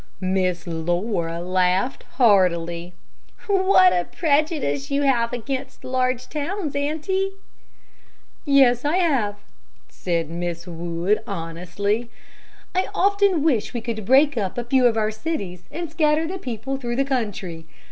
Miss Laura laughed heartily "What a prejudice you have against large towns, auntie." "Yes, I have," said Mrs. Wood, honestly. "I often wish we could break up a few of our cities, and scatter the people through the country.